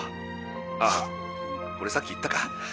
あっこれさっき言ったか。